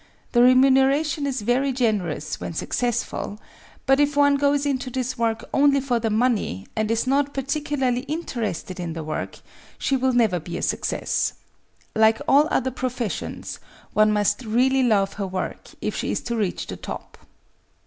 The re muneration is very generous when successful, but if one goes into this work only for the money and is not particularly in terested in the work, she will never be a success. Like all other professions, one must really love her work if she is to reach the top.